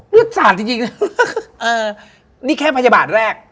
เลือดสาดจริงนี่แค่พยาบาทแรก